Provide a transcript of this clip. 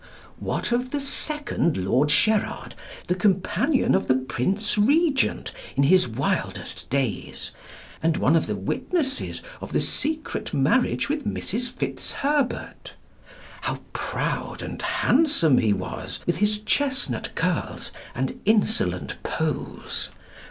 What of the second Lord Sherard, the companion of the Prince Regent in his wildest days, and one of the witnesses of the secret marriage with Mrs. Fitzherbert? How proud and handsome he was, with his chestnut curls and insolent pose!